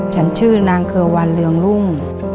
ฉันชื่อนางเคลวันเรืองรุ่ง